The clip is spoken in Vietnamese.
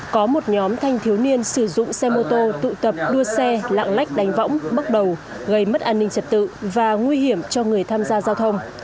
có một nhóm thanh thiếu niên sử dụng xe mô tô tụ tập đua xe lạng lách đánh võng bốc đầu gây mất an ninh trật tự và nguy hiểm cho người tham gia giao thông